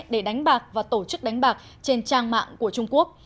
để đánh bạc và tổ chức đánh bạc trên trang mạng của trung quốc